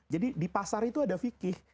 jadi di pasar itu ada fikih